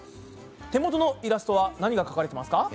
手元のイラストは何が描かれてますか？